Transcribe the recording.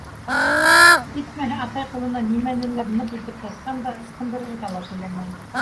Етмәһә, атай ҡулына нимәнелер ныҡ итеп ҡыҫҡан да, ысҡындырырға ла теләмәй.